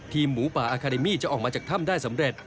หมูป่าอาคาเดมี่จะออกมาจากถ้ำได้สำเร็จ